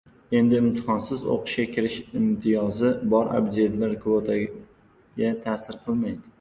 Endi imtihonsiz o‘qishga kirish imtiyozi bor abituriyentlar kvotaga ta’sir qilmaydi